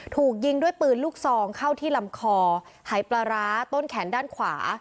ถูกยิงด้วยปืนลูกซองเข้าที่ลำคอหายปลาร้าต้นแขนด้านขวา